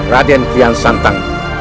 raden kian santang